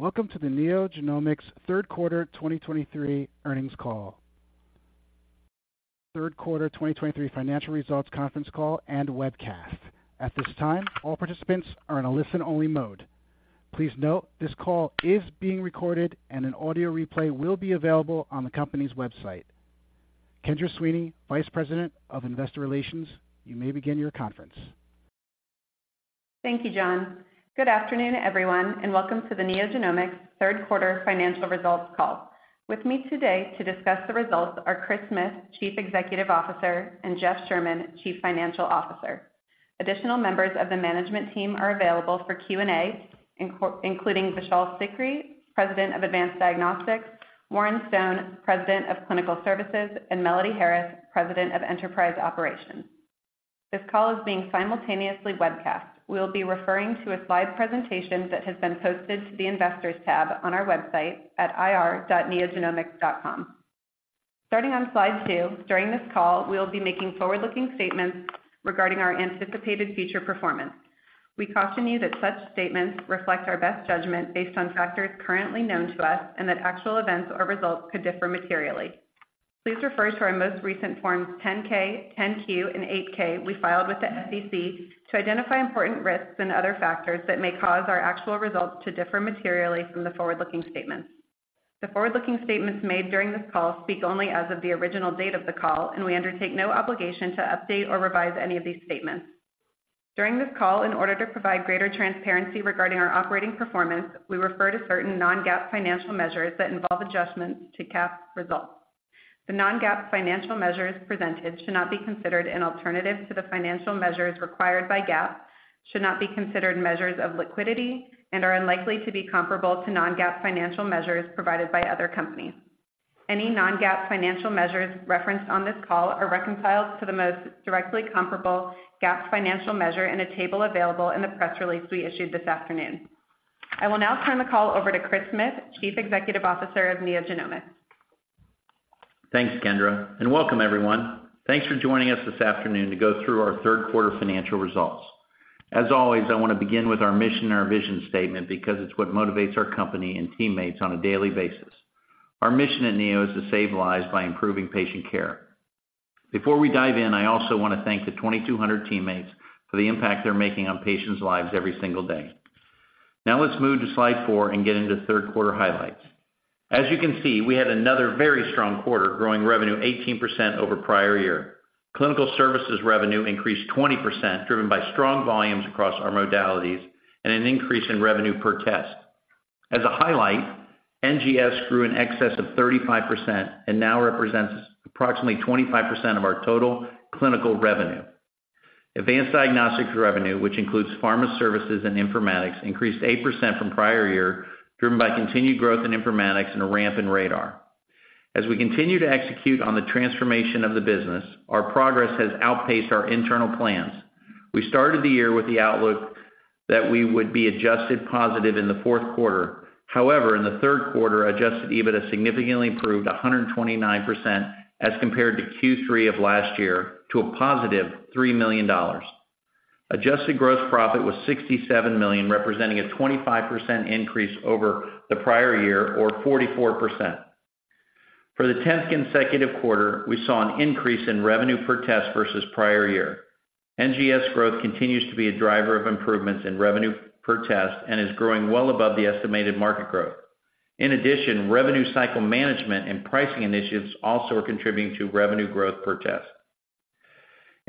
Welcome to the NeoGenomics third quarter 2023 earnings call. Third quarter 2023 financial results conference call and webcast. At this time, all participants are in a listen-only mode. Please note, this call is being recorded and an audio replay will be available on the company's website. Kendra Sweeney, Vice President of Investor Relations, you may begin your conference. Thank you, John. Good afternoon, everyone, and welcome to the NeoGenomics third quarter financial results call. With me today to discuss the results are Chris Smith, Chief Executive Officer, and Jeff Sherman, Chief Financial Officer. Additional members of the management team are available for Q&A, including Vishal Sikri, President of Advanced Diagnostics, Warren Stone, President of Clinical Services, and Melody Harris, President of Enterprise Operations. This call is being simultaneously webcast. We will be referring to a slide presentation that has been posted to the Investors tab on our website at ir.neogenomics.com. Starting on slide two, during this call, we will be making forward-looking statements regarding our anticipated future performance. We caution you that such statements reflect our best judgment based on factors currently known to us, and that actual events or results could differ materially. Please refer to our most recent forms 10-K, 10-Q, and 8-K we filed with the SEC to identify important risks and other factors that may cause our actual results to differ materially from the forward-looking statements. The forward-looking statements made during this call speak only as of the original date of the call, and we undertake no obligation to update or revise any of these statements. During this call, in order to provide greater transparency regarding our operating performance, we refer to certain non-GAAP financial measures that involve adjustments to GAAP results. The non-GAAP financial measures presented should not be considered an alternative to the financial measures required by GAAP, should not be considered measures of liquidity, and are unlikely to be comparable to non-GAAP financial measures provided by other companies. Any non-GAAP financial measures referenced on this call are reconciled to the most directly comparable GAAP financial measure in a table available in the press release we issued this afternoon. I will now turn the call over to Chris Smith, Chief Executive Officer of NeoGenomics. Thanks, Kendra, and welcome everyone. Thanks for joining us this afternoon to go through our third quarter financial results. As always, I want to begin with our mission and our vision statement because it's what motivates our company and teammates on a daily basis. Our mission at Neo is to save lives by improving patient care. Before we dive in, I also want to thank the 2,200 teammates for the impact they're making on patients' lives every single day. Now, let's move to slide four and get into third quarter highlights. As you can see, we had another very strong quarter, growing revenue 18% over prior year. Clinical services revenue increased 20%, driven by strong volumes across our modalities and an increase in revenue per test. As a highlight, NGS grew in excess of 35% and now represents approximately 25% of our total clinical revenue. Advanced diagnostics revenue, which includes pharma services and informatics, increased 8% from prior year, driven by continued growth in informatics and a ramp in RaDaR. As we continue to execute on the transformation of the business, our progress has outpaced our internal plans. We started the year with the outlook that we would be adjusted positive in the fourth quarter. However, in the third quarter, adjusted EBITDA significantly improved 129% as compared to Q3 of last year to a $+3 million. Adjusted gross profit was $67 million, representing a 25% increase over the prior year, or 44%. For the 10th consecutive quarter, we saw an increase in revenue per test versus prior year. NGS growth continues to be a driver of improvements in revenue per test and is growing well above the estimated market growth. In addition, revenue cycle management and pricing initiatives also are contributing to revenue growth per test.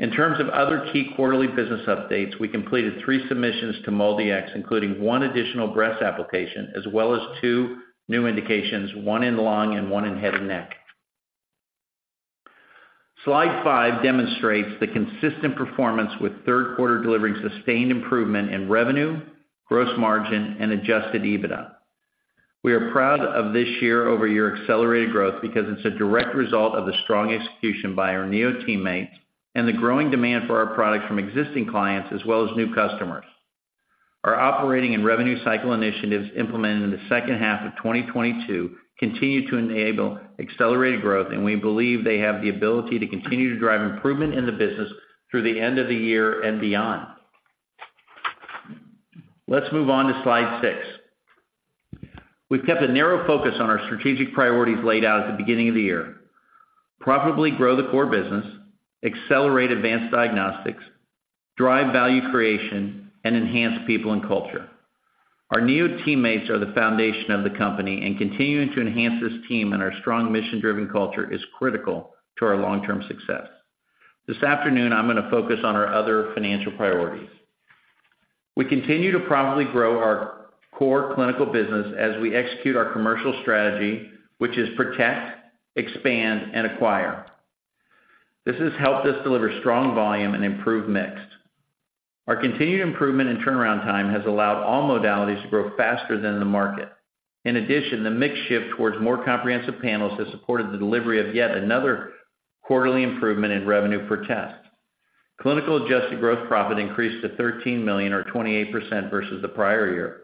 In terms of other key quarterly business updates, we completed three submissions to MolDX, including one additional breast application, as well as two new indications, 1 in lung and 1 in head and neck. Slide five demonstrates the consistent performance with third quarter, delivering sustained improvement in revenue, gross margin, and adjusted EBITDA. We are proud of this year-over-year accelerated growth because it's a direct result of the strong execution by our Neo teammates and the growing demand for our products from existing clients as well as new customers. Our operating and revenue cycle initiatives, implemented in the second half of 2022, continue to enable accelerated growth, and we believe they have the ability to continue to drive improvement in the business through the end of the year and beyond. Let's move on to slide six. We've kept a narrow focus on our strategic priorities laid out at the beginning of the year: profitably grow the core business, accelerate advanced diagnostics, drive value creation, and enhance people and culture. Our new teammates are the foundation of the company, and continuing to enhance this team and our strong mission-driven culture is critical to our long-term success. This afternoon, I'm going to focus on our other financial priorities. We continue to profitably grow our core clinical business as we execute our commercial strategy, which is protect, expand, and acquire. This has helped us deliver strong volume and improve mix. Our continued improvement in turnaround time has allowed all modalities to grow faster than the market. In addition, the mix shift towards more comprehensive panels has supported the delivery of yet another quarterly improvement in revenue per test. Clinical adjusted gross profit increased to $13 million, or 28% versus the prior year.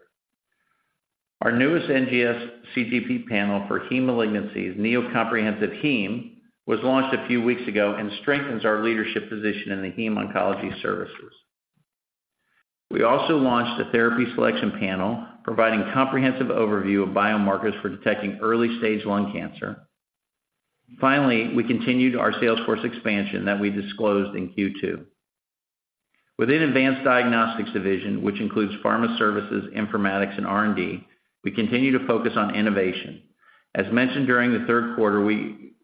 Our newest NGS CGP panel for heme malignancies, Neo Comprehensive - Heme, was launched a few weeks ago and strengthens our leadership position in the heme oncology services. We also launched a therapy selection panel, providing comprehensive overview of biomarkers for detecting early-stage lung cancer. Finally, we continued our sales force expansion that we disclosed in Q2. Within Advanced Diagnostics Division, which includes pharma services, informatics, and R&D, we continue to focus on innovation. As mentioned during the third quarter,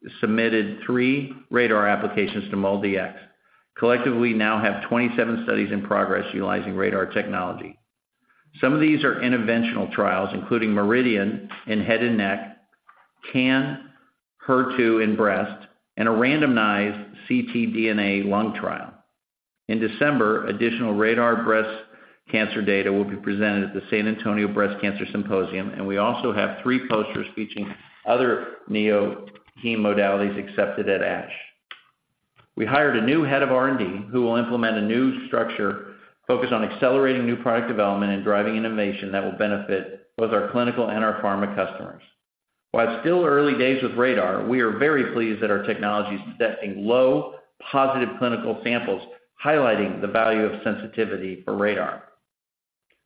we submitted three RaDaR applications to MolDX. Collectively, we now have 27 studies in progress utilizing RaDaR technology. Some of these are interventional trials, including MERIDIAN in head and neck, CAN, HER2 in breast, and a randomized ctDNA lung trial. In December, additional RaDaR breast cancer data will be presented at the San Antonio Breast Cancer Symposium, and we also have three posters featuring other Neo heme modalities accepted at ASH. We hired a new head of R&D, who will implement a new structure focused on accelerating new product development and driving innovation that will benefit both our clinical and our pharma customers. While it's still early days with RaDaR, we are very pleased that our technology is detecting low, positive clinical samples, highlighting the value of sensitivity for RaDaR.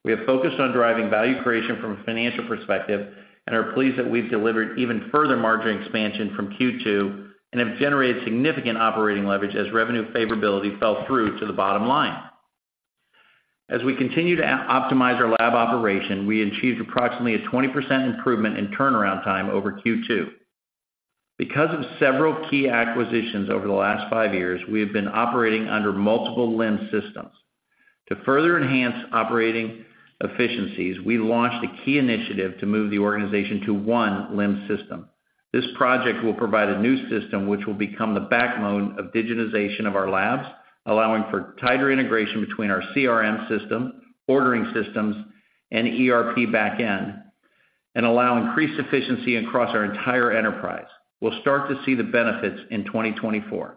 We have focused on driving value creation from a financial perspective and are pleased that we've delivered even further margin expansion from Q2, and have generated significant operating leverage as revenue favorability fell through to the bottom line. As we continue to optimize our lab operation, we achieved approximately a 20% improvement in turnaround time over Q2. Because of several key acquisitions over the last 5 years, we have been operating under multiple LIMS systems. To further enhance operating efficiencies, we launched a key initiative to move the organization to one LIMS system. This project will provide a new system, which will become the backbone of digitization of our labs, allowing for tighter integration between our CRM system, ordering systems, and ERP back-end, and allow increased efficiency across our entire enterprise. We'll start to see the benefits in 2024.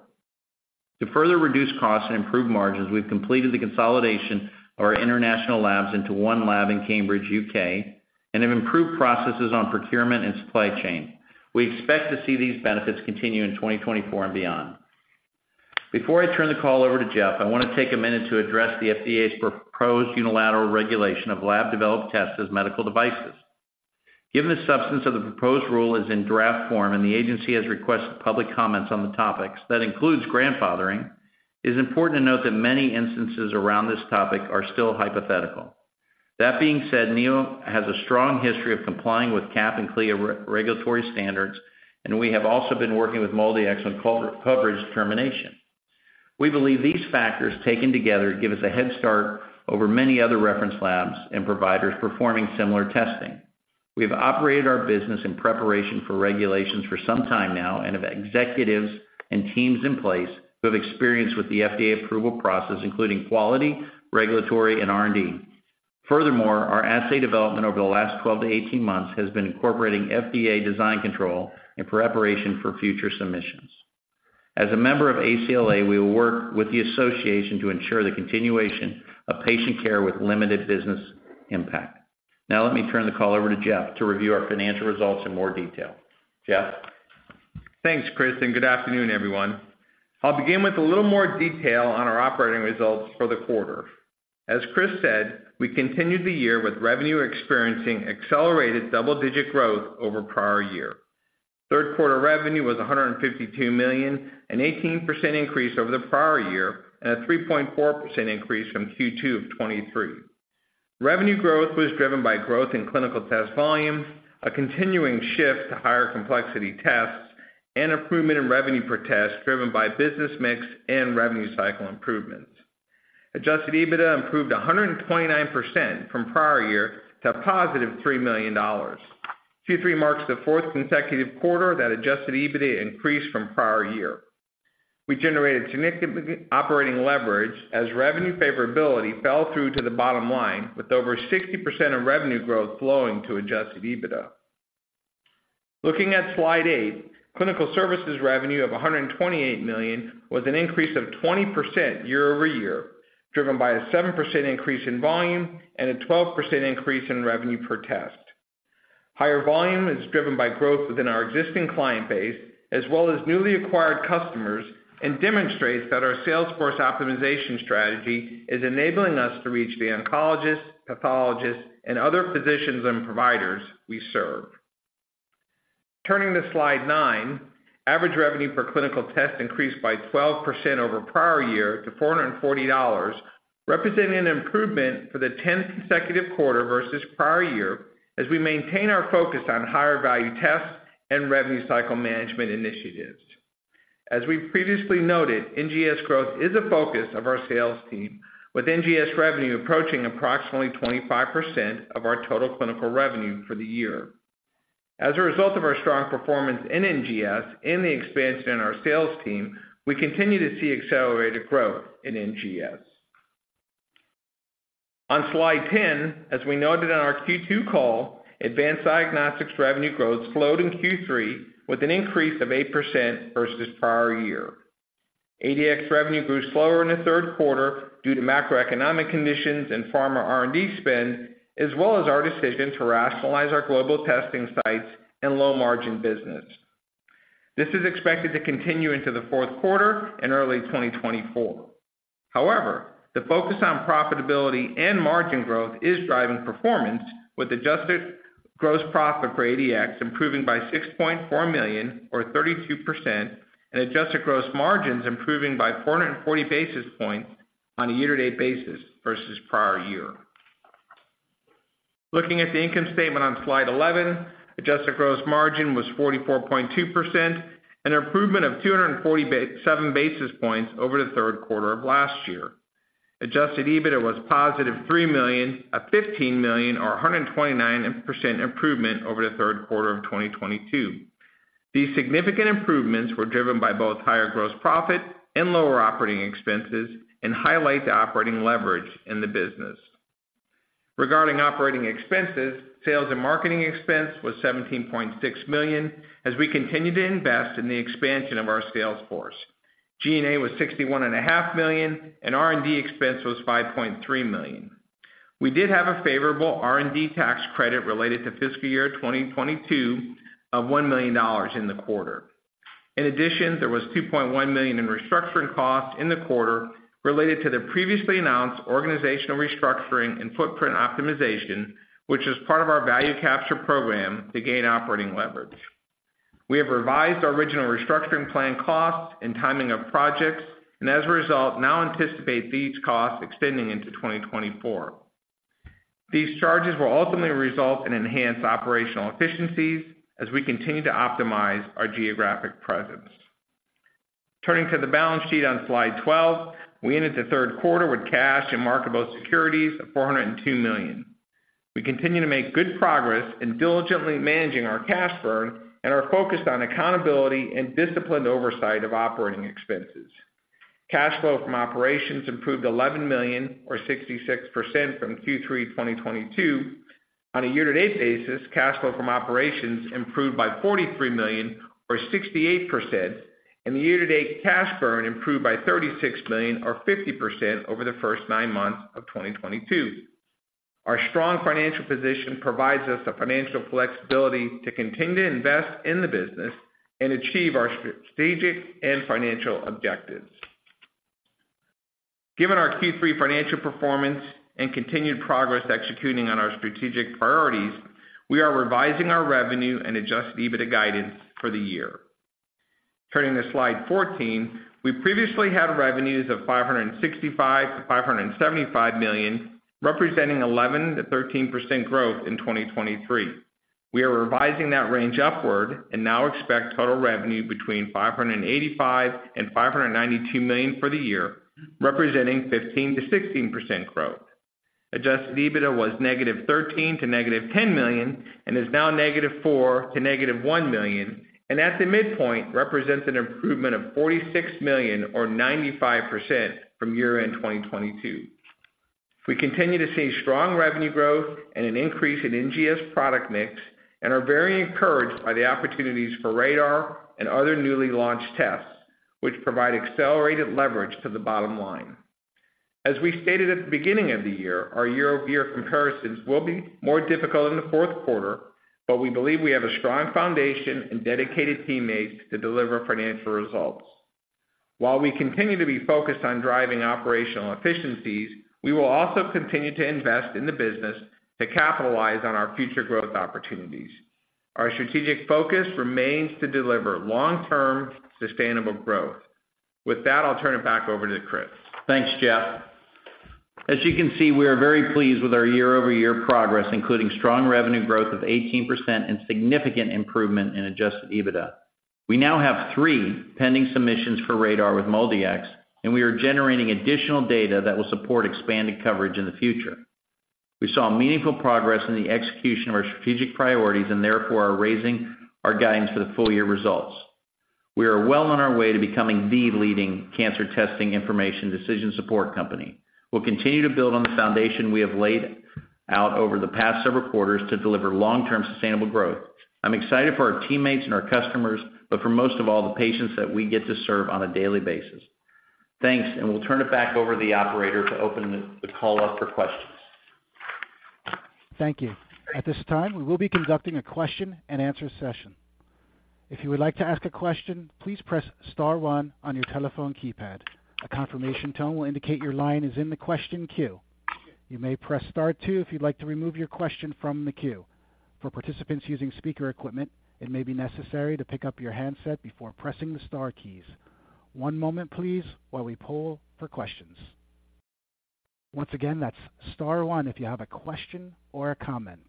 To further reduce costs and improve margins, we've completed the consolidation of our international labs into one lab in Cambridge, U.K., and have improved processes on procurement and supply chain. We expect to see these benefits continue in 2024 and beyond. Before I turn the call over to Jeff, I want to take a minute to address the FDA's proposed unilateral regulation of lab-developed tests as medical devices. Given the substance of the proposed rule is in draft form, and the agency has requested public comments on the topics, that includes grandfathering, it is important to note that many instances around this topic are still hypothetical. That being said, Neo has a strong history of complying with CAP and CLIA regulatory standards, and we have also been working with MolDX on coverage determination. We believe these factors, taken together, give us a head start over many other reference labs and providers performing similar testing. We have operated our business in preparation for regulations for some time now and have executives and teams in place who have experience with the FDA approval process, including quality, regulatory, and R&D. Furthermore, our assay development over the last 12-18 months has been incorporating FDA design control in preparation for future submissions. As a member of ACLA, we will work with the association to ensure the continuation of patient care with limited business impact. Now, let me turn the call over to Jeff to review our financial results in more detail. Jeff? Thanks, Chris, and good afternoon, everyone. I'll begin with a little more detail on our operating results for the quarter. As Chris said, we continued the year with revenue experiencing accelerated double-digit growth over prior year. Third quarter revenue was $152 million, an 18% increase over the prior year and a 3.4% increase from Q2 of 2023. Revenue growth was driven by growth in clinical test volumes, a continuing shift to higher complexity tests, and improvement in revenue per test, driven by business mix and revenue cycle improvements. Adjusted EBITDA improved 129% from prior year to $+3 million. Q3 marks the fourth consecutive quarter that adjusted EBITDA increased from prior year. We generated significant operating leverage as revenue favorability fell through to the bottom line, with over 60% of revenue growth flowing to adjusted EBITDA. Looking at slide eight, clinical services revenue of $128 million was an increase of 20% year-over-year, driven by a 7% increase in volume and a 12% increase in revenue per test. Higher volume is driven by growth within our existing client base, as well as newly acquired customers, and demonstrates that our sales force optimization strategy is enabling us to reach the oncologists, pathologists, and other physicians and providers we serve. Turning to slide nine, average revenue per clinical test increased by 12% over prior year to $440, representing an improvement for the 10th consecutive quarter versus prior year, as we maintain our focus on higher-value tests and revenue cycle management initiatives. As we previously noted, NGS growth is a focus of our sales team, with NGS revenue approaching approximately 25% of our total clinical revenue for the year. As a result of our strong performance in NGS and the expansion in our sales team, we continue to see accelerated growth in NGS. On slide 10, as we noted on our Q2 call, advanced diagnostics revenue growth slowed in Q3 with an increase of 8% versus prior year. ADX revenue grew slower in the third quarter due to macroeconomic conditions and pharma R&D spend, as well as our decision to rationalize our global testing sites and low-margin business. This is expected to continue into the fourth quarter and early 2024. However, the focus on profitability and margin growth is driving performance, with adjusted gross profit for ADX improving by $6.4 million, or 32%, and adjusted gross margins improving by 440 basis points on a year-to-date basis versus prior year. Looking at the income statement on slide 11, adjusted gross margin was 44.2%, and an improvement of 247 basis points over the third quarter of last year. Adjusted EBITDA was $+3 million, a $15 million, or 129% improvement over the third quarter of 2022. These significant improvements were driven by both higher gross profit and lower operating expenses and highlight the operating leverage in the business. Regarding operating expenses, sales and marketing expense was $17.6 million as we continued to invest in the expansion of our sales force. G&A was $61.5 million, and R&D expense was $5.3 million. We did have a favorable R&D tax credit related to fiscal year 2022 of $1 million in the quarter. In addition, there was $2.1 million in restructuring costs in the quarter related to the previously announced organizational restructuring and footprint optimization, which is part of our value capture program to gain operating leverage. We have revised our original restructuring plan costs and timing of projects, and as a result, now anticipate these costs extending into 2024. These charges will ultimately result in enhanced operational efficiencies as we continue to optimize our geographic presence. Turning to the balance sheet on slide 12, we ended the third quarter with cash and marketable securities of $402 million. We continue to make good progress in diligently managing our cash burn and are focused on accountability and disciplined oversight of operating expenses. Cash flow from operations improved $11 million, or 66% from Q3 2022. On a year-to-date basis, cash flow from operations improved by $43 million, or 68%, and the year-to-date cash burn improved by $36 million, or 50% over the first nine months of 2022. Our strong financial position provides us the financial flexibility to continue to invest in the business and achieve our strategic and financial objectives. Given our Q3 financial performance and continued progress executing on our strategic priorities, we are revising our revenue and adjusted EBITDA guidance for the year. Turning to slide 14, we previously had revenues of $565 million-$575 million, representing 11%-13% growth in 2023. We are revising that range upward and now expect total revenue between $585 million and $592 million for the year, representing 15%-16% growth. Adjusted EBITDA was $-13 million to $-10 million, and is now $-4 million to $-1 million, and at the midpoint, represents an improvement of $46 million, or 95% from year-end 2022. We continue to see strong revenue growth and an increase in NGS product mix, and are very encouraged by the opportunities for RaDaR and other newly launched tests, which provide accelerated leverage to the bottom line. As we stated at the beginning of the year, our year-over-year comparisons will be more difficult in the fourth quarter, but we believe we have a strong foundation and dedicated teammates to deliver financial results. While we continue to be focused on driving operational efficiencies, we will also continue to invest in the business to capitalize on our future growth opportunities. Our strategic focus remains to deliver long-term, sustainable growth. With that, I'll turn it back over to Chris. Thanks, Jeff. As you can see, we are very pleased with our year-over-year progress, including strong revenue growth of 18% and significant improvement in adjusted EBITDA. We now have three pending submissions for RaDaR with MolDX, and we are generating additional data that will support expanded coverage in the future. We saw meaningful progress in the execution of our strategic priorities and therefore are raising our guidance for the full year results. We are well on our way to becoming the leading cancer testing information decision support company. We'll continue to build on the foundation we have laid out over the past several quarters to deliver long-term, sustainable growth. I'm excited for our teammates and our customers, but for most of all, the patients that we get to serve on a daily basis. Thanks, and we'll turn it back over to the operator to open the call up for questions. Thank you. At this time, we will be conducting a question and answer session. If you would like to ask a question, please press star one on your telephone keypad. A confirmation tone will indicate your line is in the question queue. You may press star two if you'd like to remove your question from the queue. For participants using speaker equipment, it may be necessary to pick up your handset before pressing the star keys. One moment, please, while we poll for questions. Once again, that's star one if you have a question or a comment.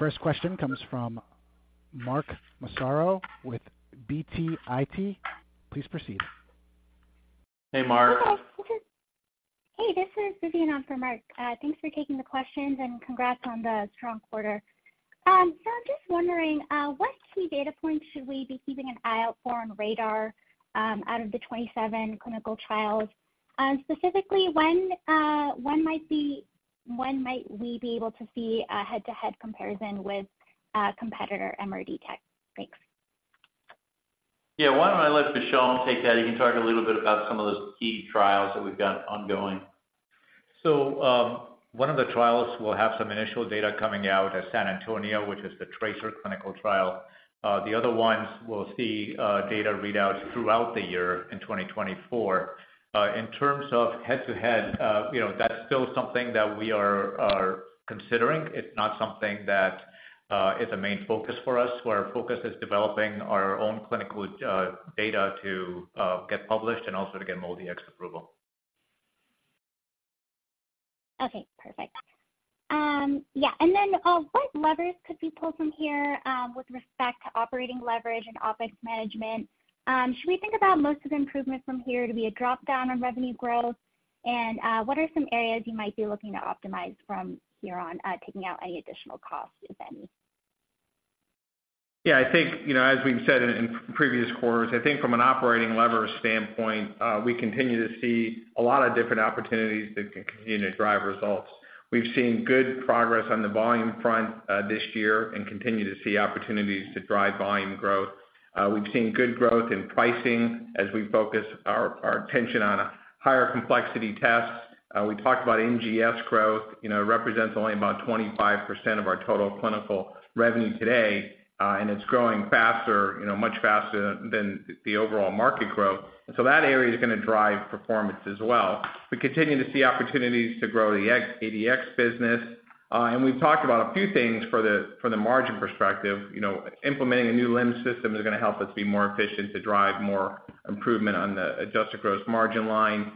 The first question comes from Mark Massaro with BTIG. Please proceed. Hey, Mark. Hey, this is Vidyun on for Mark. Thanks for taking the questions and congrats on the strong quarter. I'm just wondering what key data points should we be keeping an eye out for on RaDaR out of the 27 clinical trials? And specifically, when might we be able to see a head-to-head comparison with a competitor, MRD tech? Thanks. Yeah, why don't I let Vishal take that? He can talk a little bit about some of those key trials that we've got ongoing. One of the trials will have some initial data coming out at San Antonio, which is the TRACERx clinical trial. The other ones will see data readouts throughout the year in 2024. In terms of head-to-head, you know, that's still something that we are considering. It's not something that is a main focus for us, where our focus is developing our own clinical data to get published and also to get MolDX approval. Okay, perfect. Yeah, and then, what levers could be pulled from here, with respect to operating leverage and OpEx management? Should we think about most of the improvements from here to be a drop-down on revenue growth? And, what are some areas you might be looking to optimize from here on, taking out any additional costs, if any? Yeah, I think, you know, as we've said in previous quarters, I think from an operating lever standpoint, we continue to see a lot of different opportunities that can continue to drive results. We've seen good progress on the volume front this year and continue to see opportunities to drive volume growth. We've seen good growth in pricing as we focus our attention on a higher complexity test. We talked about NGS growth, you know, represents only about 25% of our total clinical revenue today, and it's growing faster, you know, much faster than the overall market growth. And so that area is going to drive performance as well. We continue to see opportunities to grow the ex-ADX business. And we've talked about a few things for the margin perspective. You know, implementing a new LIMS system is going to help us be more efficient to drive more improvement on the adjusted gross margin line.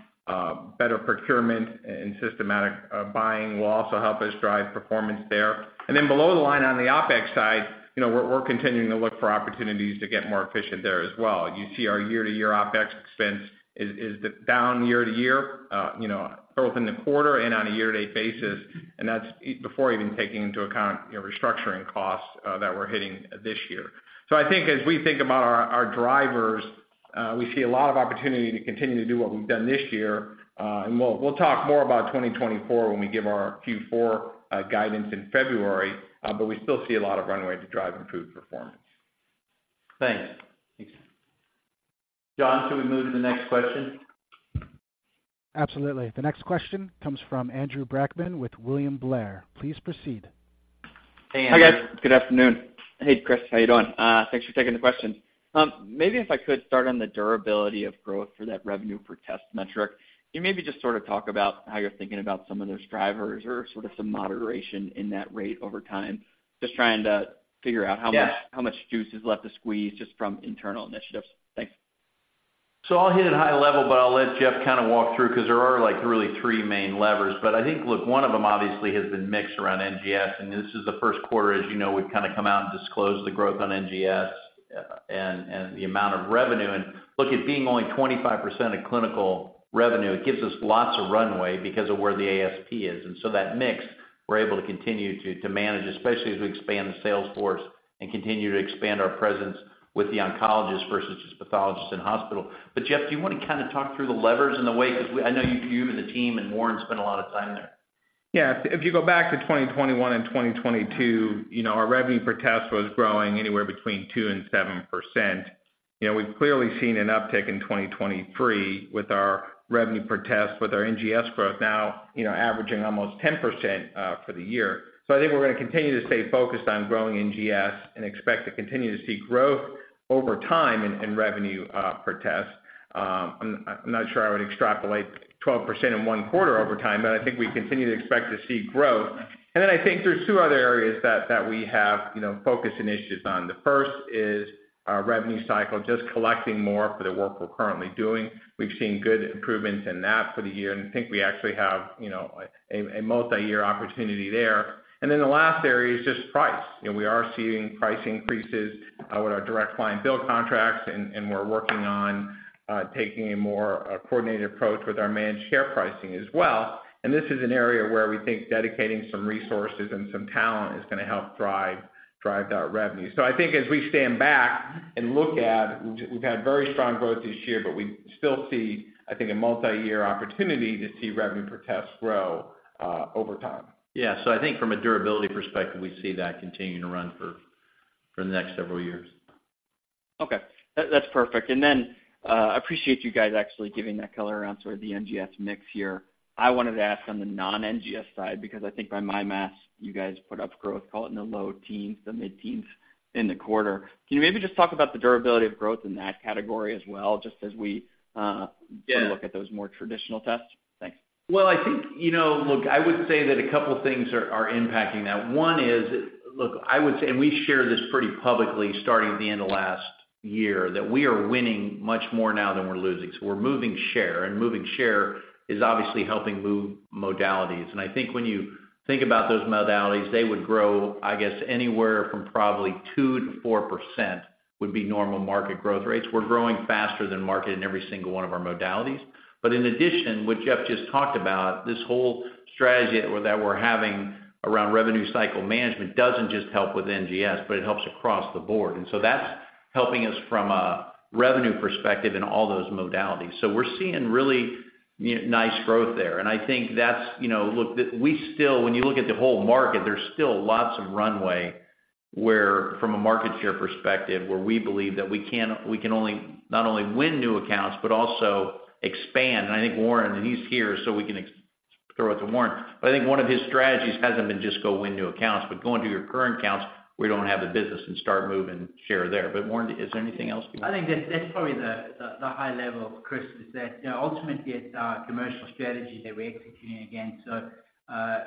Better procurement and systematic buying will also help us drive performance there. And then below the line on the OpEx side, you know, we're continuing to look for opportunities to get more efficient there as well. You see our year-to-year OpEx expense is down year-to-year, you know, both in the quarter and on a year-to-date basis, and that's before even taking into account your restructuring costs that we're hitting this year. So I think as we think about our drivers, we see a lot of opportunity to continue to do what we've done this year. And we'll talk more about 2024 when we give our Q4 guidance in February, but we still see a lot of runway to drive improved performance. Thanks. John, can we move to the next question? Absolutely. The next question comes from Andrew Brackmann with William Blair. Please proceed. Hey, Andrew. Hi, guys. Good afternoon. Hey, Chris, how you doing? Thanks for taking the question. Maybe if I could start on the durability of growth for that revenue per test metric, can you maybe just sort of talk about how you're thinking about some of those drivers or sort of some moderation in that rate over time? Just trying to figure out how much. Yeah How much juice is left to squeeze just from internal initiatives. Thanks. So I'll hit it high level, but I'll let Jeff kind of walk through, because there are, like, really three main levers. But I think, look, one of them obviously has been mixed around NGS, and this is the first quarter, as you know, we've kind of come out and disclosed the growth on NGS, and the amount of revenue. And look, it being only 25% of clinical revenue, it gives us lots of runway because of where the ASP is. And so that mix, we're able to continue to manage, especially as we expand the sales force and continue to expand our presence with the oncologist versus just pathologists in hospital. But Jeff, do you want to kind of talk through the levers and the way? Because I know you, you and the team and Warren spent a lot of time there. Yeah. If you go back to 2021 and 2022, you know, our revenue per test was growing anywhere between 2% and 7%. You know, we've clearly seen an uptick in 2023 with our revenue per test, with our NGS growth now, you know, averaging almost 10% for the year. So I think we're going to continue to stay focused on growing NGS and expect to continue to see growth over time in revenue per test. I'm not sure I would extrapolate 12% in one quarter over time, but I think we continue to expect to see growth. And then I think there's two other areas that we have, you know, focus initiatives on. The first is our revenue cycle, just collecting more for the work we're currently doing. We've seen good improvements in that for the year, and I think we actually have, you know, a multi-year opportunity there. And then the last area is just price. You know, we are seeing price increases with our direct client bill contracts, and we're working on taking a more coordinated approach with our managed care pricing as well. And this is an area where we think dedicating some resources and some talent is going to help drive that revenue. So I think as we stand back and look at, we've had very strong growth this year, but we still see, I think, a multi-year opportunity to see revenue per test grow over time. Yeah. So I think from a durability perspective, we see that continuing to run for the next several years. Okay. That's perfect. And then, I appreciate you guys actually giving that color around sort of the NGS mix here. I wanted to ask on the non-NGS side, because I think by my math, you guys put up growth, call it in the low teens, the mid-teens in the quarter. Can you maybe just talk about the durability of growth in that category as well, just as we. Yeah Look at those more traditional tests? Thanks. Well, I think, you know, look, I would say that a couple things are, are impacting that. One is, look, I would say, and we've shared this pretty publicly, starting at the end of last year, that we are winning much more now than we're losing. So we're moving share, and moving share is obviously helping move modalities. And I think when you think about those modalities, they would grow, I guess, anywhere from probably 2%-4% would be normal market growth rates. We're growing faster than market in every single one of our modalities. But in addition, what Jeff just talked about, this whole strategy that we're having around revenue cycle management doesn't just help with NGS, but it helps across the board. And so that's helping us from a revenue perspective in all those modalities. So we're seeing really nice growth there. And I think that's, you know, look, the—we still, when you look at the whole market, there's still lots of runway where, from a market share perspective, where we believe that we can, we can only not only win new accounts, but also expand. And I think Warren, and he's here, so we can throw it to Warren. But Warren, is there anything else you want? I think that's probably the high level, Chris, is that you know, ultimately, it's our commercial strategy that we're executing again. So,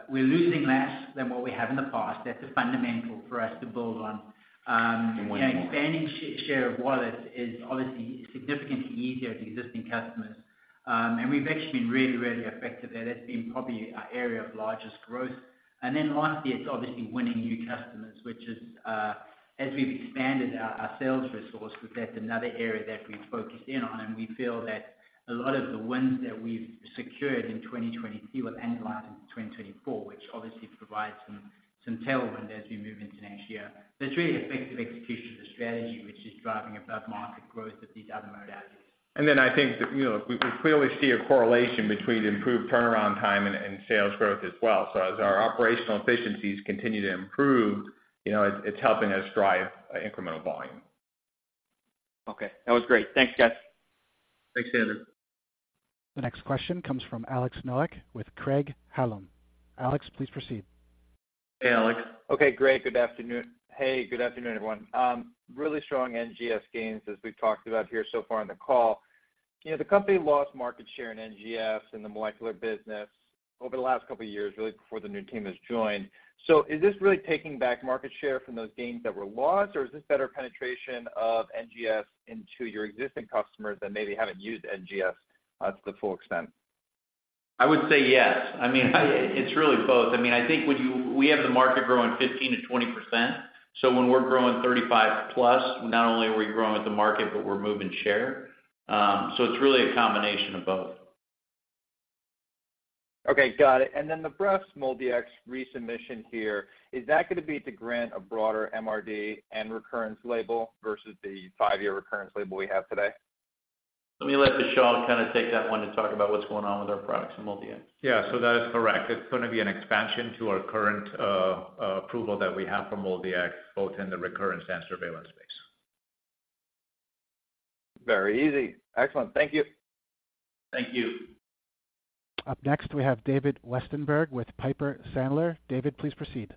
we're losing less than what we have in the past. That's a fundamental for us to build on. Winning more. Expanding share of wallet is obviously significantly easier with existing customers. And we've actually been really, really effective there. That's been probably our area of largest growth. And then lastly, it's obviously winning new customers, which is, as we've expanded our, our sales resource, that's another area that we've focused in on, and we feel that a lot of the wins that we've secured in 2022 will annualize into 2024, which obviously provides some, some tailwind as we move into next year. That's really effective execution of the strategy, which is driving above-market growth of these other modalities. And then I think that, you know, we clearly see a correlation between improved turnaround time and sales growth as well. So as our operational efficiencies continue to improve, you know, it's helping us drive incremental volume. Okay, that was great. Thanks, guys. Thanks, Andrew. The next question comes from Alex Nowak with Craig-Hallum. Alex, please proceed. Hey, Alex. Okay, great. Good afternoon. Hey, good afternoon, everyone. Really strong NGS gains, as we've talked about here so far in the call. You know, the company lost market share in NGS in the molecular business over the last couple of years, really before the new team has joined. So is this really taking back market share from those gains that were lost, or is this better penetration of NGS into your existing customers that maybe haven't used NGS to the full extent? I would say yes. I mean, it's really both. I mean, I think we have the market growing 15%-20%, so when we're growing 35+, not only are we growing with the market, but we're moving share. So it's really a combination of both. Okay, got it. And then the next MolDX resubmission here, is that going to be to grant a broader MRD and recurrence label versus the five-year recurrence label we have today? Let me let Vishal kind of take that one and talk about what's going on with our products in MolDX. Yeah. So that is correct. It's going to be an expansion to our current approval that we have from MolDX, both in the recurrence and surveillance space. Very easy. Excellent. Thank you. Thank you. Up next, we have David Westenberg with Piper Sandler. David, please proceed.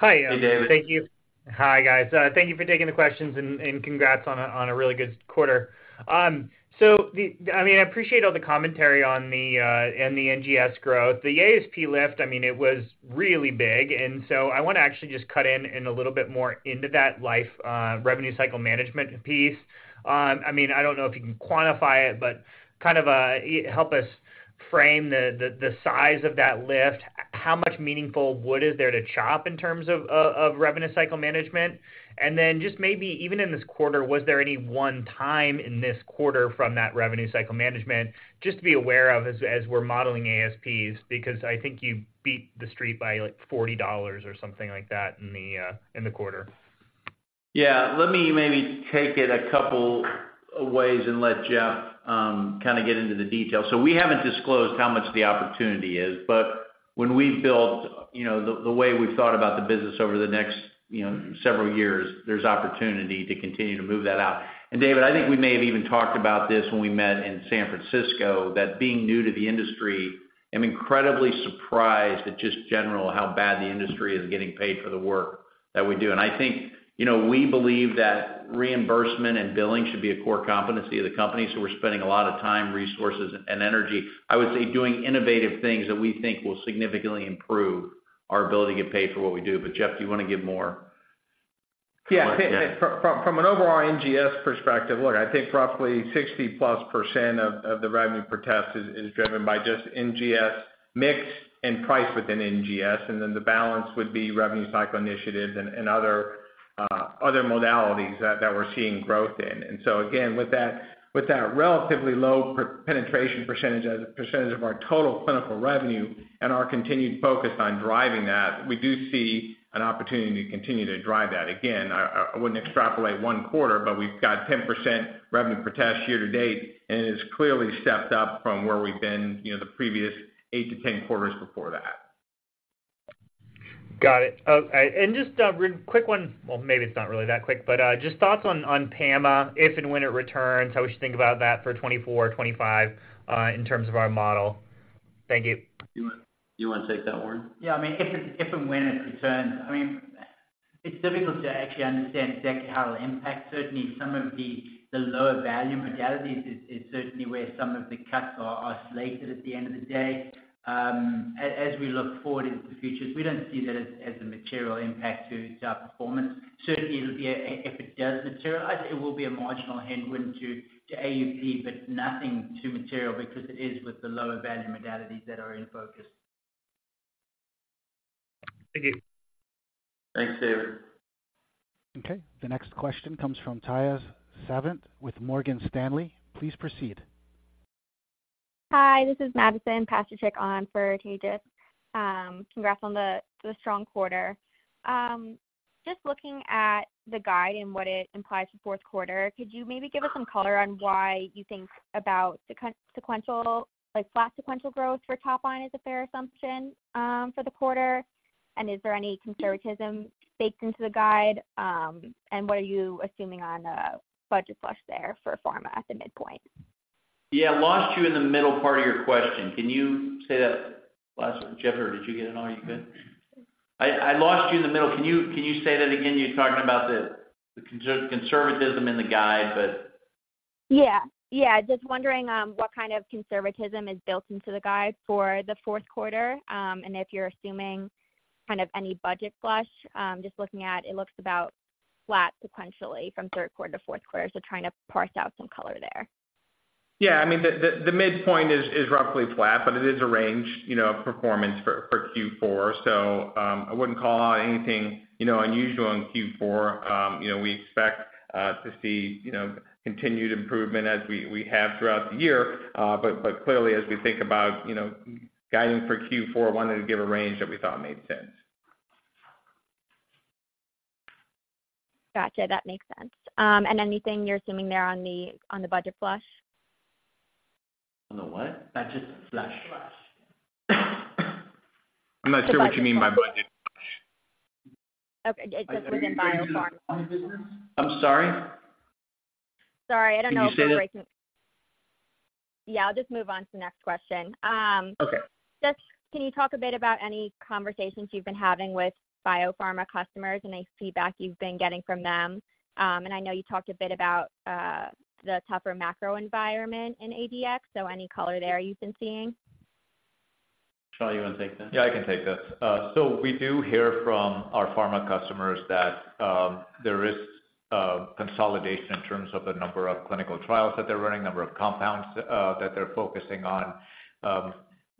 Hi. Hey, David. Thank you. Hi, guys. Thank you for taking the questions and congrats on a really good quarter. I mean, I appreciate all the commentary on the NGS growth. The ASP lift, I mean, it was really big, and so I want to actually just cut in a little bit more into that lift, revenue cycle management piece. I mean, I don't know if you can quantify it, but kind of help us frame the size of that lift. How much meaningful wood is there to chop in terms of revenue cycle management? Then just maybe even in this quarter, was there any one time in this quarter from that revenue cycle management, just to be aware of as we're modeling ASPs, because I think you beat the street by, like, $40 or something like that in the quarter? Yeah, let me maybe take it a couple of ways and let Jeff kind of get into the details. So we haven't disclosed how much the opportunity is, but when we built, you know, the way we've thought about the business over the next, you know, several years, there's opportunity to continue to move that out. And David, I think we may have even talked about this when we met in San Francisco, that being new to the industry, I'm incredibly surprised at just generally how bad the industry is getting paid for the work that we do. And I think, you know, we believe that reimbursement and billing should be a core competency of the company, so we're spending a lot of time, resources, and energy, I would say, doing innovative things that we think will significantly improve our ability to get paid for what we do. Jeff, do you want to give more? Yeah. Yeah. From an overall NGS perspective, look, I think roughly 60+% of the revenue per test is driven by just NGS mix and price within NGS, and then the balance would be revenue cycle initiatives and other modalities that we're seeing growth in. And so again, with that relatively low penetration percentage as a percentage of our total clinical revenue and our continued focus on driving that, we do see an opportunity to continue to drive that. Again, I wouldn't extrapolate one quarter, but we've got 10% revenue per test year to date, and it has clearly stepped up from where we've been, you know, the previous 8-10 quarters before that. Got it. And just a quick one. Well, maybe it's not really that quick, but just thoughts on PAMA, if and when it returns, how we should think about that for 2024 or 2025, in terms of our model. Thank you. Do you want, do you want to take that, Warren? Yeah, I mean, if it, if and when it returns, I mean, it's difficult to actually understand exactly how it will impact. Certainly, some of the, the lower value modalities is, is certainly where some of the cuts are, are slated at the end of the day. As we look forward into the future, we don't see that as a material impact to our performance. Certainly, it'll be a. If it does materialize, it will be a marginal headwind to, to AUP, but nothing too material because it is with the lower value modalities that are in focus. Thank you. Thanks, David. Okay. The next question comes from Tejas Savant with Morgan Stanley. Please proceed. Hi, this is Madison Pasterchick on for Tejas. Congrats on the strong quarter. Just looking at the guide and what it implies for fourth quarter, could you maybe give us some color on why you think the conservative, like, flat sequential growth for top line is a fair assumption for the quarter? And is there any conservatism baked into the guide, and what are you assuming on the budget flush there for pharma at the midpoint? Yeah, I lost you in the middle part of your question. Can you say that last—Jeffrey, did you get it all? Are you good? I, I lost you in the middle. Can you, can you say that again? You're talking about the, the conservatism in the guide, but. Yeah. Yeah, just wondering, what kind of conservatism is built into the guide for the fourth quarter, and if you're assuming kind of any budget flush. Just looking at, it looks about flat sequentially from third quarter to fourth quarter, so trying to parse out some color there. Yeah, I mean, the midpoint is roughly flat, but it is a range, you know, of performance for Q4. So, I wouldn't call out anything, you know, unusual in Q4. You know, we expect to see, you know, continued improvement as we have throughout the year. But clearly, as we think about, you know, guiding for Q4, wanted to give a range that we thought made sense. Gotcha, that makes sense. Anything you're assuming there on the, on the budget flush? On the what? Budget flush. Flush. I'm not sure what you mean by budget flush. Okay, it just was in biopharma. On the business? I'm sorry. Sorry, I don't know if the breakout. Can you say that? Yeah, I'll just move on to the next question. Okay. Just can you talk a bit about any conversations you've been having with biopharma customers and any feedback you've been getting from them? And I know you talked a bit about the tougher macro environment in ADX, so any color there you've been seeing? Vishal, you want to take that? Yeah, I can take that. So we do hear from our pharma customers that there is consolidation in terms of the number of clinical trials that they're running, number of compounds that they're focusing on. A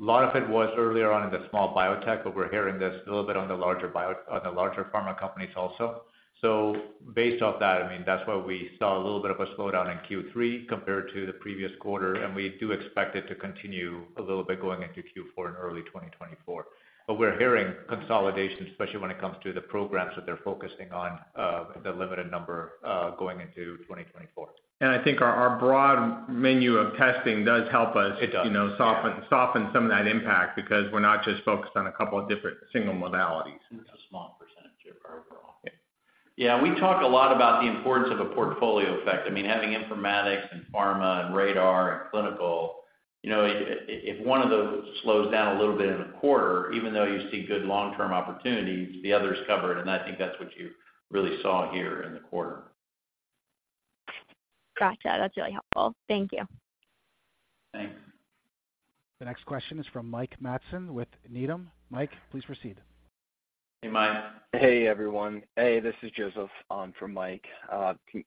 lot of it was earlier on in the small biotech, but we're hearing this a little bit on the larger pharma companies also. So based off that, I mean, that's why we saw a little bit of a slowdown in Q3 compared to the previous quarter, and we do expect it to continue a little bit going into Q4 and early 2024. But we're hearing consolidation, especially when it comes to the programs that they're focusing on, the limited number going into 2024. I think our broad menu of testing does help us. It does. You know, soften some of that impact because we're not just focused on a couple of different single modalities. It's a small percentage of our overall. Yeah. Yeah, we talk a lot about the importance of a portfolio effect. I mean, having informatics and pharma and radar and clinical, you know, if, if one of those slows down a little bit in a quarter, even though you see good long-term opportunities, the other's covered, and I think that's what you really saw here in the quarter. Gotcha. That's really helpful. Thank you. Thanks. The next question is from Mike Matson with Needham. Mike, please proceed. Hey, Mike. Hey, everyone. Hey, this is Joseph on for Mike.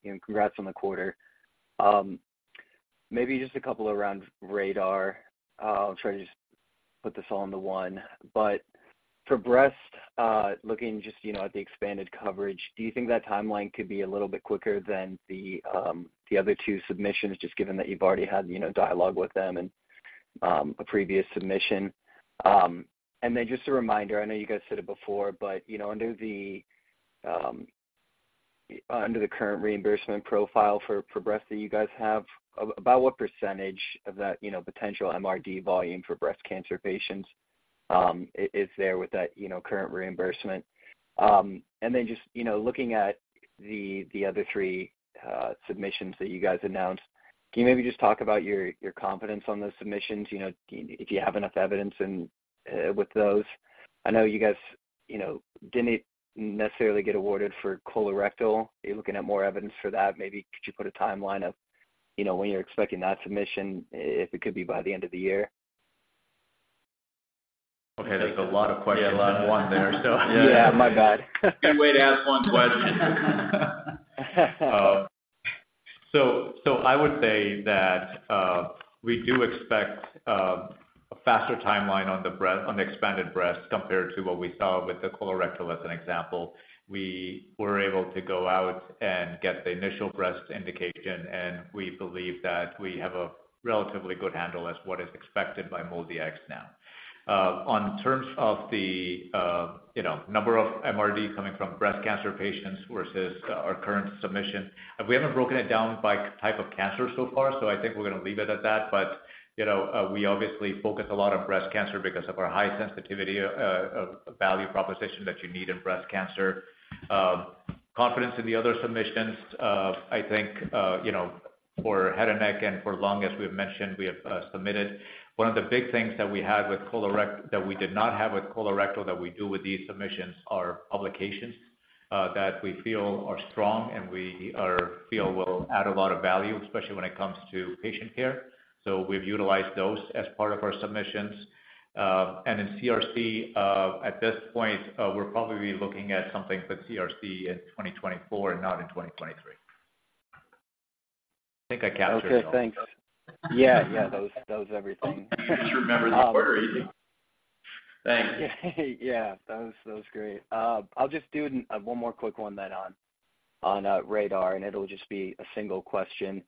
Congrats on the quarter. Maybe just a couple around RaDaR. I'll try to just put this all into one. But for breast, looking just, you know, at the expanded coverage, do you think that timeline could be a little bit quicker than the other two submissions, just given that you've already had, you know, dialogue with them and a previous submission? And then just a reminder, I know you guys said it before, but, you know, under the current reimbursement profile for breast that you guys have, about what percentage of that, you know, potential MRD volume for breast cancer patients, is there with that, you know, current reimbursement? And then just, you know, looking at the other three submissions that you guys announced, can you maybe just talk about your confidence on those submissions, you know, if you have enough evidence with those. I know you guys, you know, didn't necessarily get awarded for colorectal. You're looking at more evidence for that. Maybe could you put a timeline of, you know, when you're expecting that submission, if it could be by the end of the year? Okay, that's a lot of questions. Yeah, a lot of. In one there, so Yeah, my bad. Good way to ask one question. So, I would say that we do expect a faster timeline on the breast—on the expanded breast compared to what we saw with the colorectal, as an example. We were able to go out and get the initial breast indication, and we believe that we have a relatively good handle on what is expected by MolDX now. In terms of the, you know, number of MRD coming from breast cancer patients versus our current submission, we haven't broken it down by type of cancer so far, so I think we're going to leave it at that. But, you know, we obviously focus a lot on breast cancer because of our high sensitivity value proposition that you need in breast cancer. Confidence in the other submissions, I think, you know, for head and neck and for lung, as we've mentioned, we have submitted. One of the big things that we did not have with colorectal, that we do with these submissions, are publications that we feel are strong and feel will add a lot of value, especially when it comes to patient care. So we've utilized those as part of our submissions. And in CRC, at this point, we're probably looking at something for CRC in 2024 and not in 2023. I think I captured it all. Okay, thanks. Yeah, yeah, that was, that was everything. You just remembered the quarter. Thanks. Yeah, thatwas, that was great. I'll just do one more quick one then on RaDaR, and it'll just be a single question.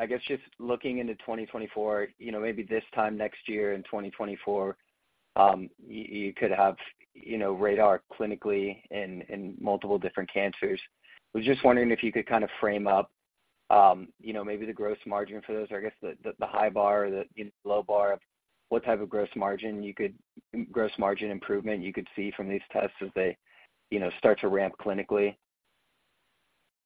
I guess just looking into 2024, you know, maybe this time next year in 2024, you, you could have, you know, RaDaR clinically in, in multiple different cancers. I was just wondering if you could kind of frame up, you know, maybe the gross margin for those, or I guess the, the high bar or the, the low bar of what type of gross margin you could- gross margin improvement you could see from these tests as they, you know, start to ramp clinically.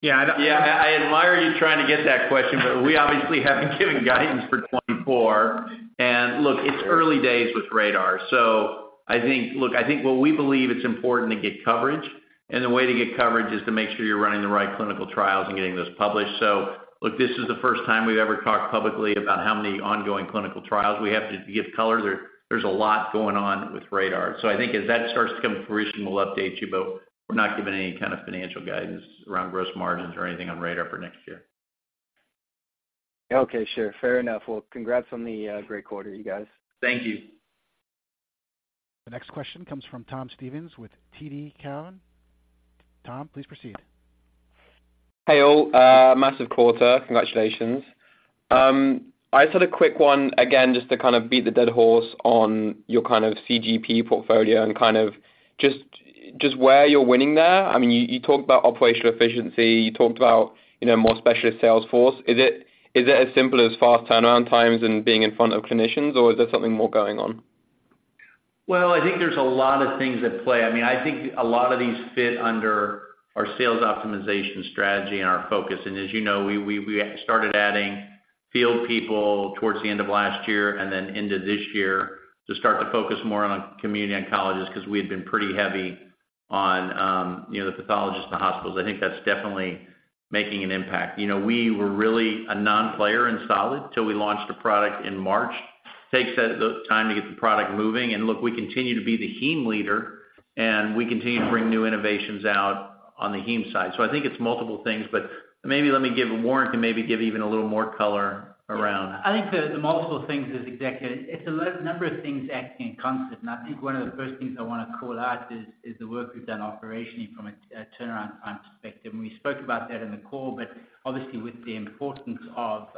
Yeah, I don't, yeah, I admire you trying to get that question, but we obviously haven't given guidance for 2024. And look, it's early days with RaDaR. So I think. Look, I think what we believe it's important to get coverage, and the way to get coverage is to make sure you're running the right clinical trials and getting those published. So look, this is the first time we've ever talked publicly about how many ongoing clinical trials we have. To give color, there's a lot going on with RaDaR. So I think as that starts to come to fruition, we'll update you, but we're not giving any kind of financial guidance around gross margins or anything on RaDaR for next year. Okay, sure. Fair enough. Well, congrats on the great quarter, you guys. Thank you. The next question comes from Tom Stevens with TD Cowen. Tom, please proceed. Hey, all. Massive quarter. Congratulations. I just had a quick one, again, just to kind of beat the dead horse on your kind of CGP portfolio and kind of just where you're winning there. I mean, you talked about operational efficiency, you talked about, you know, more specialist sales force. Is it as simple as fast turnaround times and being in front of clinicians, or is there something more going on? Well, I think there's a lot of things at play. I mean, I think a lot of these fit under our sales optimization strategy and our focus. And as you know, we started adding field people towards the end of last year and then into this year to start to focus more on community oncologists, because we had been pretty heavy on, you know, the pathologists in the hospitals. I think that's definitely making an impact. You know, we were really a non-player in solid till we launched a product in March. Takes the time to get the product moving, and look, we continue to be the heme leader, and we continue to bring new innovations out on the heme side. So I think it's multiple things, but maybe let me give. Warren can maybe give even a little more color around. I think the multiple things is exactly it. It's a lot of number of things acting in concert, and I think one of the first things I want to call out is the work we've done operationally from a turnaround time perspective. And we spoke about that in the call, but obviously, with the importance of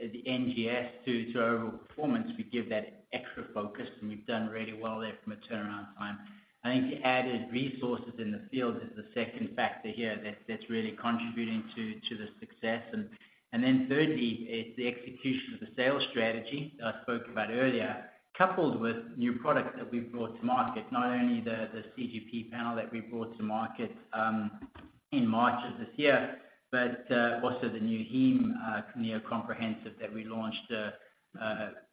the NGS to our overall performance, we give that extra focus, and we've done really well there from a turnaround time. I think the added resources in the field is the second factor here that's really contributing to the success. And then thirdly, is the execution of the sales strategy that I spoke about earlier, coupled with new products that we've brought to market, not only the CGP panel that we brought to market in March of this year, but also the new Heme Neo Comprehensive that we launched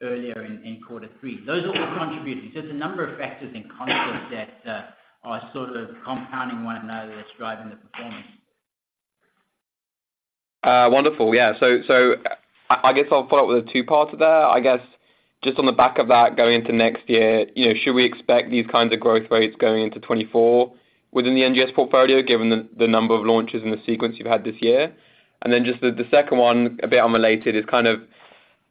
earlier in quarter three. Those all contributing. So there's a number of factors in concert that are sort of compounding one another that's driving the performance. Wonderful. Yeah. So I guess I'll follow up with a two-parter there. I guess, just on the back of that, going into next year, you know, should we expect these kinds of growth rates going into 2024 within the NGS portfolio, given the number of launches and the sequence you've had this year? And then just the second one, a bit unrelated, is kind of: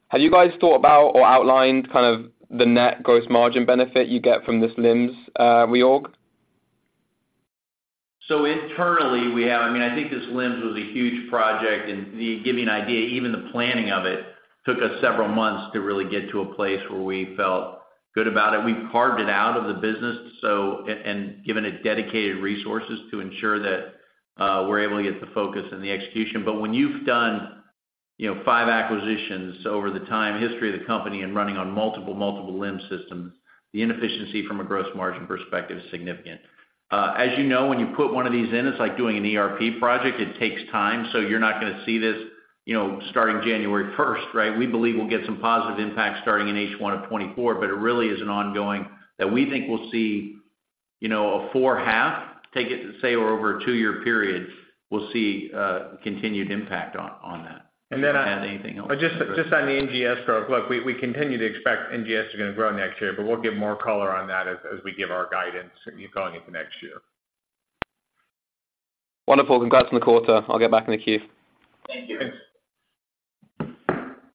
have you guys thought about or outlined kind of the net gross margin benefit you get from this LIMS reorg? So internally, we have. I mean, I think this LIMS was a huge project, and to give you an idea, even the planning of it took us several months to really get to a place where we felt good about it. We carved it out of the business, so and given it dedicated resources to ensure that we're able to get the focus and the execution. But when you've done, you know, five acquisitions over the time history of the company, and running on multiple, multiple LIMS systems, the inefficiency from a gross margin perspective is significant. As you know, when you put one of these in, it's like doing an ERP project. It takes time, so you're not going to see this, you know, starting January first, right? We believe we'll get some positive impact starting in H1 of 2024, but it really is an ongoing that we think we'll see, you know, a 4.5, take it, to say, over a two-year period, we'll see, continued impact on that. And then do you have anything else? Just on the NGS growth. Look, we continue to expect NGS are going to grow next year, but we'll give more color on that as we give our guidance going into next year. Wonderful. Congrats on the quarter. I'll get back in the queue. Thank you.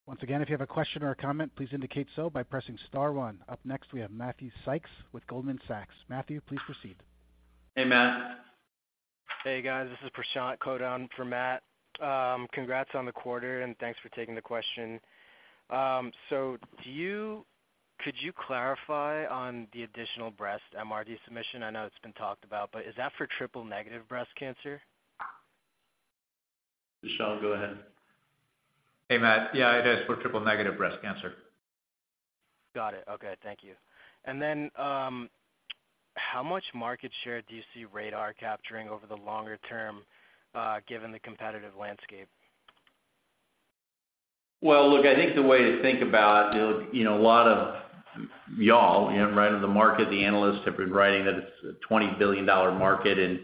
Once again, if you have a question or a comment, please indicate so by pressing star one. Up next, we have Matthew Sykes with Goldman Sachs. Matthew, please proceed. Hey, Matt. Hey, guys. This is Prashant Kulkarni for Matt. Congrats on the quarter, and thanks for taking the question. So, could you clarify on the additional breast MRD submission? I know it's been talked about, but is that for triple-negative breast cancer? Prashant, go ahead. Hey, Matt. Yeah, it is for triple-negative breast cancer. Got it. Okay, thank you. And then, how much market share do you see RaDaR capturing over the longer term, given the competitive landscape? Well, look, I think the way to think about, you know, a lot of y'all, you know, right, in the market, the analysts have been writing that it's a $20 billion market and,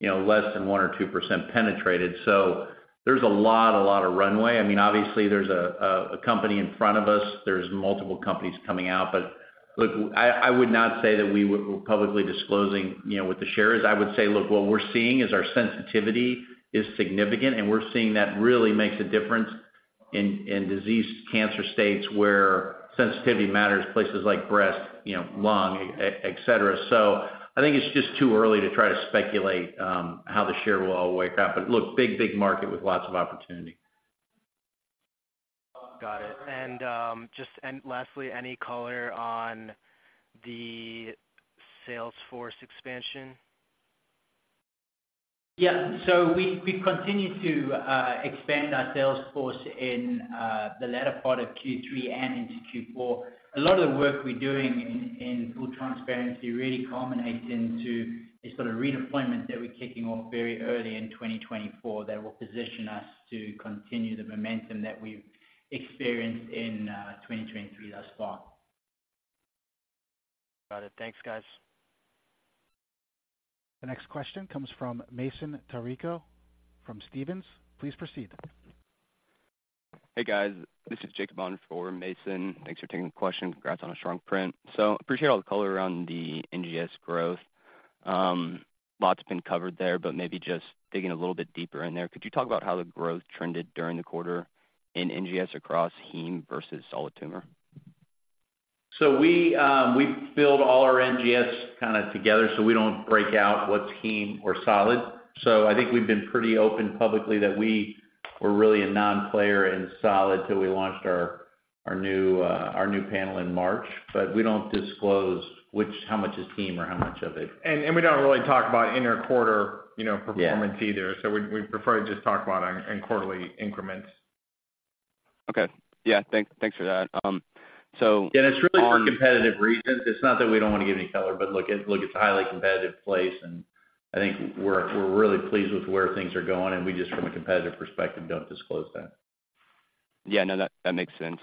you know, less than 1% or 2% penetrated. So there's a lot, a lot of runway. I mean, obviously, there's a company in front of us. There's multiple companies coming out. But look, I would not say that we publicly disclosing, you know, what the share is. I would say, look, what we're seeing is our sensitivity is significant, and we're seeing that really makes a difference in disease cancer states where sensitivity matters, places like breast, you know, lung, et cetera. So I think it's just too early to try to speculate how the share will all work out. But look, big, big market with lots of opportunity. Got it. And, just and lastly, any color on the sales force expansion? Yeah. So we continued to expand our sales force in the latter part of Q3 and into Q4. A lot of the work we're doing in full transparency really culminates into a sort of redeployment that we're kicking off very early in 2024 that will position us to continue the momentum that we've experienced in 2023 thus far. Got it. Thanks, guys. The next question comes from Mason Carrico from Stephens. Please proceed. Hey, guys. This is Jacob on for Mason. Thanks for taking the question. Congrats on a strong print. So appreciate all the color around the NGS growth. Lots been covered there, but maybe just digging a little bit deeper in there. Could you talk about how the growth trended during the quarter in NGS across heme versus solid tumor? So we build all our NGS kinda together, so we don't break out what's heme or solid. So I think we've been pretty open publicly that we were really a non-player in solid till we launched our new panel in March. But we don't disclose which. How much is heme or how much of it. And, we don't really talk about interquarter, you know, performance either. Yeah. So we prefer to just talk about in quarterly increments. Okay. Yeah, thanks for that. So on. It's really for competitive reasons. It's not that we don't wanna give any color, but look, it's a highly competitive place, and I think we're really pleased with where things are going, and we just, from a competitive perspective, don't disclose that. Yeah, no, that makes sense.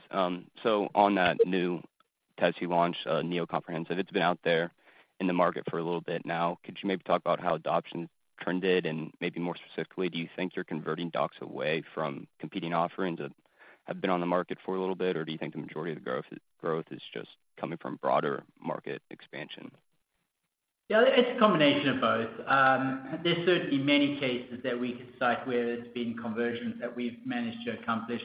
So on that new test you launched, Neo Comprehensive, it's been out there in the market for a little bit now. Could you maybe talk about how adoption trended? And maybe more specifically, do you think you're converting docs away from competing offerings that have been on the market for a little bit, or do you think the majority of the growth is just coming from broader market expansion? Yeah, it's a combination of both. There's certainly many cases that we could cite where there's been conversions that we've managed to accomplish.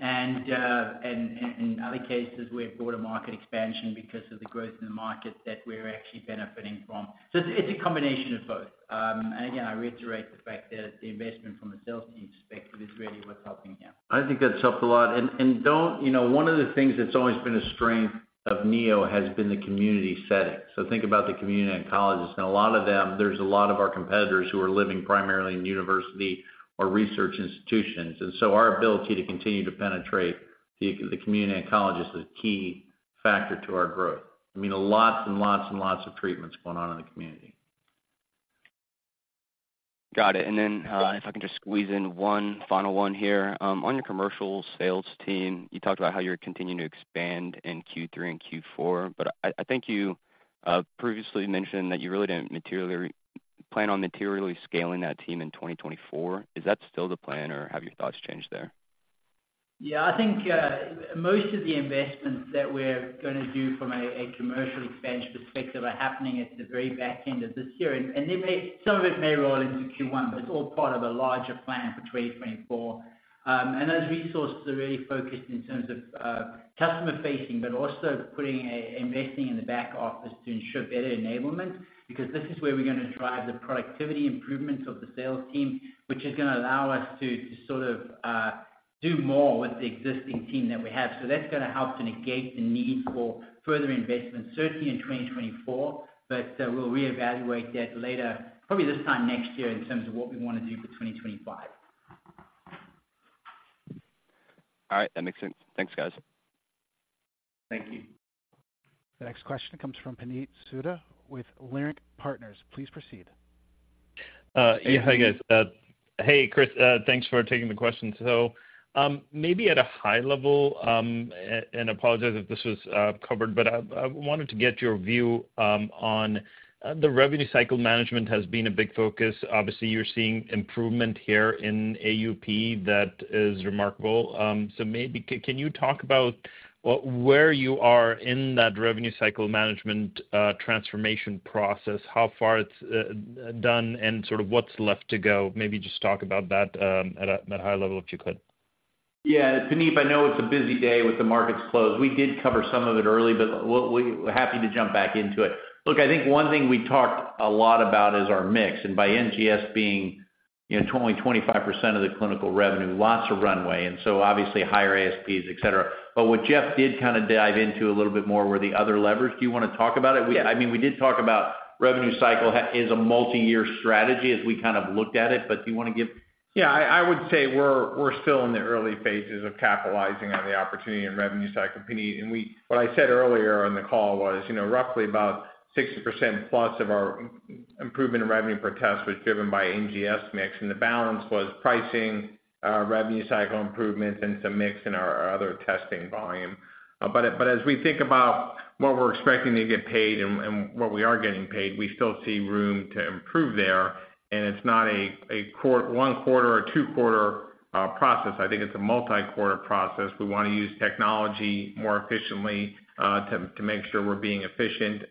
In other cases, we have broader market expansion because of the growth in the market that we're actually benefiting from. So it's a combination of both. And again, I reiterate the fact that the investment from a sales team perspective is really what's helping out. I think that's helped a lot. You know, one of the things that's always been a strength of Neo has been the community setting. So think about the community oncologists, and a lot of them, there's a lot of our competitors who are living primarily in university or research institutions. And so our ability to continue to penetrate the community oncologist is a key factor to our growth. I mean, lots and lots and lots of treatments going on in the community. Got it. And then, if I can just squeeze in one final one here. On your commercial sales team, you talked about how you're continuing to expand in Q3 and Q4, but I think you previously mentioned that you really didn't plan on materially scaling that team in 2024. Is that still the plan, or have your thoughts changed there? Yeah, I think most of the investments that we're gonna do from a commercial expansion perspective are happening at the very back end of this year. And they may. Some of it may roll into Q1, but it's all part of a larger plan for 2024. And those resources are really focused in terms of customer facing, but also putting, investing in the back office to ensure better enablement, because this is where we're gonna drive the productivity improvements of the sales team, which is gonna allow us to sort of do more with the existing team that we have. So that's gonna help to negate the need for further investment, certainly in 2024, but we'll reevaluate that later, probably this time next year, in terms of what we wanna do for 2025. All right. That makes sense. Thanks, guys. Thank you. The next question comes from Puneet Souda with Leerink Partners. Please proceed. Yeah. Hi, guys. Hey, Chris, thanks for taking the question. So, maybe at a high level, and I apologize if this was covered, but I wanted to get your view on the revenue cycle management has been a big focus. Obviously, you're seeing improvement here in AUP that is remarkable. So maybe can you talk about where you are in that revenue cycle management transformation process, how far it's done, and sort of what's left to go? Maybe just talk about that at a high level, if you could. Yeah. Puneet, I know it's a busy day with the markets closed. We did cover some of it early, but we'll—we're happy to jump back into it. Look, I think one thing we talked a lot about is our mix, and by NGS being, you know, only 25% of the clinical revenue, lots of runway, and so obviously higher ASPs, et cetera. But what Jeff did kind of dive into a little bit more were the other levers. Do you wanna talk about it? We, I mean, we did talk about revenue cycle as a multiyear strategy, as we kind of looked at it, but do you wanna give. Yeah. I would say we're still in the early phases of capitalizing on the opportunity and revenue cycle, Puneet. What I said earlier on the call was, you know, roughly about 60%+ of our improvement in revenue per test was driven by NGS mix, and the balance was pricing, revenue cycle improvements, and some mix in our other testing volume. But as we think about what we're expecting to get paid and what we are getting paid, we still see room to improve there, and it's not a one-quarter or two-quarter process. I think it's a multi-quarter process. We wanna use technology more efficiently to make sure we're being efficient,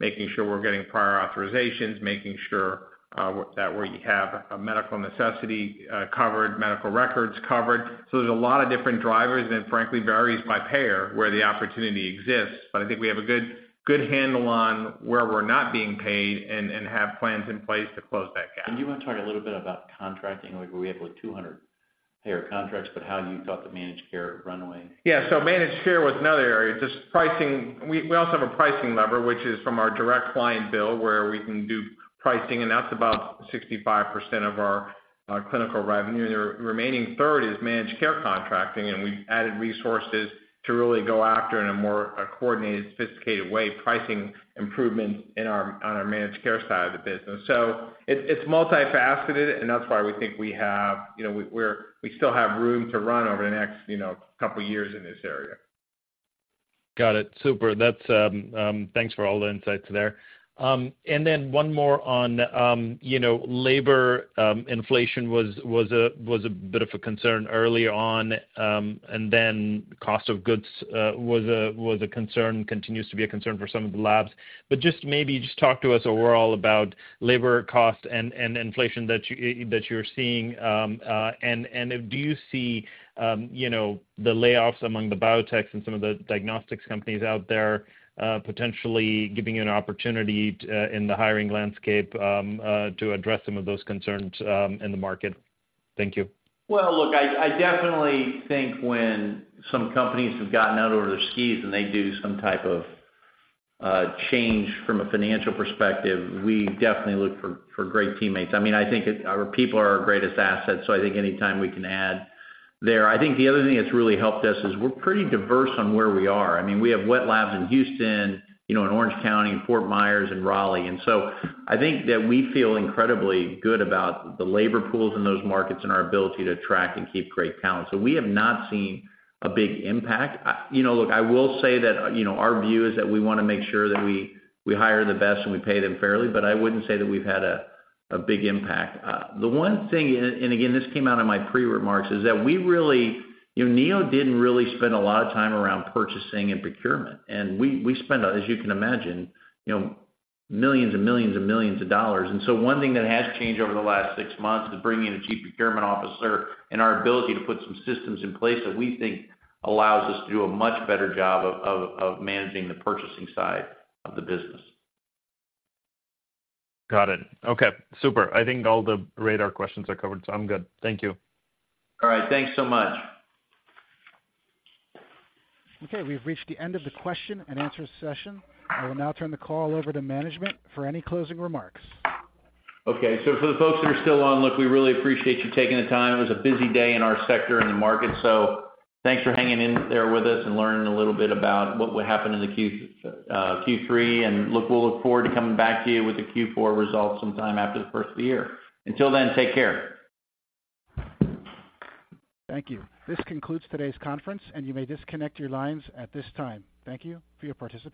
making sure we're getting prior authorizations, making sure that we have a medical necessity covered, medical records covered. So there's a lot of different drivers, and it frankly varies by payer, where the opportunity exists. But I think we have a good, good handle on where we're not being paid and, and have plans in place to close that gap. And do you want to talk a little bit about contracting? Like, we have, like, 200 payer contracts, but how you thought the managed care runway? Yeah, so managed care was another area, just pricing. We also have a pricing lever, which is from our direct client bill, where we can do pricing, and that's about 65% of our clinical revenue. The remaining third is managed care contracting, and we've added resources to really go after, in a more coordinated, sophisticated way, pricing improvements on our managed care side of the business. So it's multifaceted, and that's why we think we have, you know, we still have room to run over the next, you know, couple of years in this area. Got it. Super. That's, thanks for all the insights there. And then one more on, you know, labor, inflation was a bit of a concern early on, and then cost of goods was a concern, continues to be a concern for some of the labs. But just maybe just talk to us overall about labor costs and inflation that you're seeing. And do you see, you know, the layoffs among the biotechs and some of the diagnostics companies out there, potentially giving you an opportunity, in the hiring landscape, to address some of those concerns, in the market? Thank you. Well, look, I definitely think when some companies have gotten out over their skis and they do some type of change from a financial perspective, we definitely look for great teammates. I mean, I think it. Our people are our greatest assets, so I think anytime we can add there. I think the other thing that's really helped us is we're pretty diverse on where we are. I mean, we have wet labs in Houston, you know, in Orange County, Fort Myers, and Raleigh. And so I think that we feel incredibly good about the labor pools in those markets and our ability to attract and keep great talent. So we have not seen a big impact. You know, look, I will say that, you know, our view is that we want to make sure that we hire the best, and we pay them fairly, but I wouldn't say that we've had a big impact. The one thing, and again, this came out in my pre-remarks, is that we really. You know, Neo didn't really spend a lot of time around purchasing and procurement, and we spend, as you can imagine, you know, millions and millions and millions of dollars. And so one thing that has changed over the last six months is bringing in a chief procurement officer and our ability to put some systems in place that we think allows us to do a much better job of managing the purchasing side of the business. Got it. Okay, super. I think all the radar questions are covered, so I'm good. Thank you. All right. Thanks so much. Okay, we've reached the end of the question-and-answer session. I will now turn the call over to management for any closing remarks. Okay, so for the folks that are still on, look, we really appreciate you taking the time. It was a busy day in our sector and the market, so thanks for hanging in there with us and learning a little bit about what would happen in the Q, Q3. And look, we'll look forward to coming back to you with the Q4 results sometime after the first of the year. Until then, take care. Thank you. This concludes today's conference, and you may disconnect your lines at this time. Thank you for your participation.